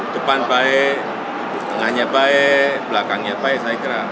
depan baik tengahnya baik belakangnya baik saya kira